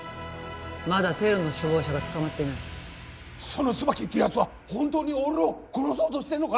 まだテロの首謀者が捕まっていないその椿ってやつは本当に俺を殺そうとしてんのか？